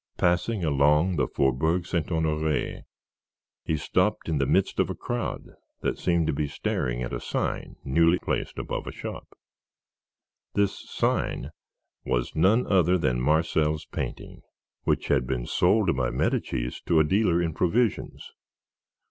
Passing along the Faubourg Saint Honoré, he stopped in the midst of a crowd that seemed to be staring at a sign newly placed above a shop. This sign was none other than Marcel's painting, which had been sold by Medicis to a dealer in provisions.